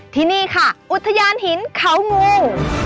ที่นี่ค่ะอุทยานหินเขางู